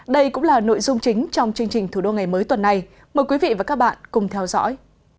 đây cũng là nội dung chính trong chương trình thủ đô ngày mới tuần này mời quý vị và các bạn cùng theo dõi